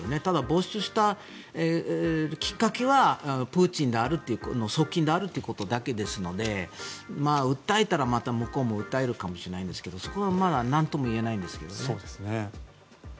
没収したきっかけはプーチン、側近であるということだけですので訴えたら、また向こうも訴えるかもしれないんですがそこはまだなんとも言えないんですけどね。